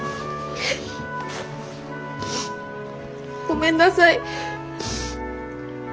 ごめんなさい。